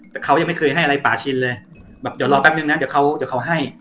แต่เขายังไม่เคยให้อะไรป่าชินเลยแบบเดี๋ยวรอแป๊บนึงนะเดี๋ยวเขาเดี๋ยวเขาให้